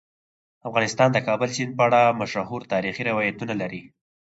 افغانستان د کابل سیند په اړه مشهور تاریخی روایتونه لري.